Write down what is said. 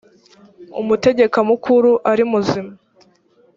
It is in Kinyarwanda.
umutegeka mukuru ari muzima